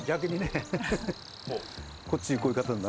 こっちがこういう形に。